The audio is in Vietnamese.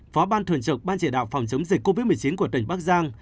phó ban thường trực ban chỉ đạo phòng chống dịch covid một mươi chín của tỉnh bắc giang